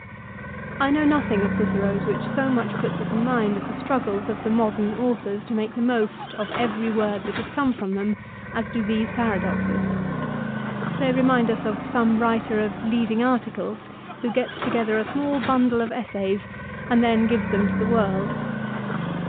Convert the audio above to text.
I know nothing of Cicero's which so much puts us in mind of the struggles of the modern authors to make the most of every word that has come from them, as do these paradoxes. They remind us of some writer of leading articles who gets together a small bundle of essays and then gives them to the world.